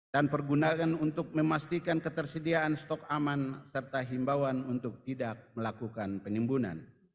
dan pergunakan untuk memastikan ketersediaan stok aman serta himbauan untuk tidak melakukan penimbunan